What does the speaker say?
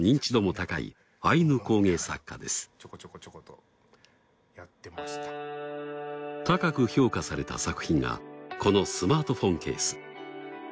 高く評価された作品がこのスマートフォンケース。